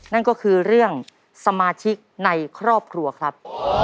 นั่นก็คือเรื่องสมาชิกในครอบครัวครับ